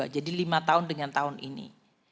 jadi lima tahun dengan tahun ini